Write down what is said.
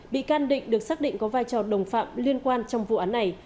bị can định được xác định có vai trò đồng phạm liên quan trong vụ án này